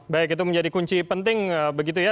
baik itu menjadi kunci penting begitu ya